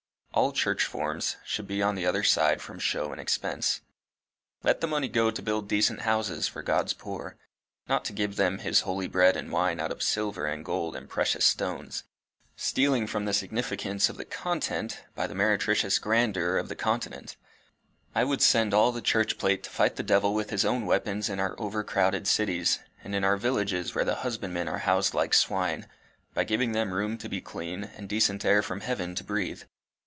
All church forms should be on the other side from show and expense. Let the money go to build decent houses for God's poor, not to give them his holy bread and wine out of silver and gold and precious stones stealing from the significance of the content by the meretricious grandeur of the continent. I would send all the church plate to fight the devil with his own weapons in our overcrowded cities, and in our villages where the husbandmen are housed like swine, by giving them room to be clean and decent air from heaven to breathe.